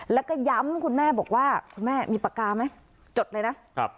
แล้วก็ย้ำคุณแม่บอกว่าคุณแม่มีปากกาไหมจดเลยนะครับ